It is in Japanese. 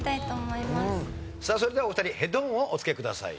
さあそれではお二人ヘッドホンをおつけください。